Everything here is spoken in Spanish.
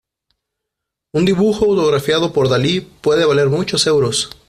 Un dibujo autografiado por Dalí puede valer muchos euros.